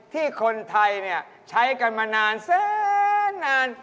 ที่คนไทยใช้กันมานานแสนนาน